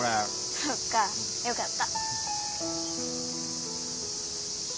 そっかよかった。